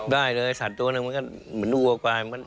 ได้เลยสัตว์ตัวนั้นมันก็เหมือนอูวะกวาย